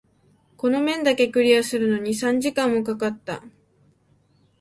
この面だけクリアするのに三時間も掛かった。